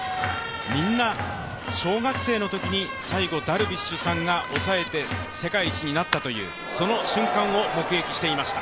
みんな小学生のときに最後、ダルビッシュさんが抑えて世界一になったというその瞬間を目撃していました。